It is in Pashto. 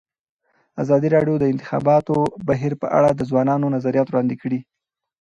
ازادي راډیو د د انتخاباتو بهیر په اړه د ځوانانو نظریات وړاندې کړي.